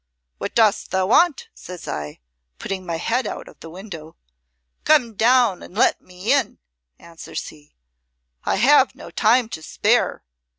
'What dost thou want?' says I, putting my head out of the window. 'Come down and let me in,' answers he; 'I have no time to spare.